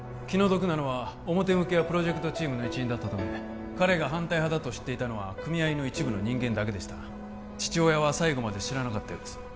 気の毒なのは表向きはプロジェクトチームの一員だったため彼が反対派だと知っていたのは組合の一部の人間だけでした父親は最後まで知らなかったようです